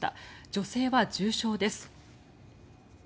女性は重傷です。